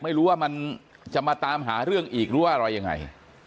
ไม่รู้ว่ามันจะมาตามหาเรื่องอีกหรือว่าอะไรยังไง